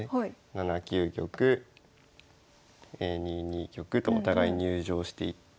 ７九玉２二玉とお互い入城していって。